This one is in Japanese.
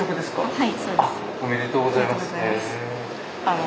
はい。